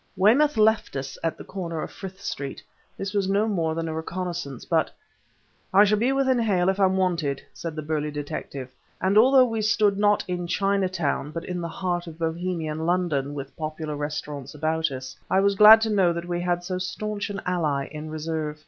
Weymouth left us at the corner of Frith Street. This was no more than a reconnaissance, but "I shall be within hail if I'm wanted," said the burly detective; and although we stood not in Chinatown but in the heart of Bohemian London, with popular restaurants about us, I was glad to know that we had so stanch an ally in reserve.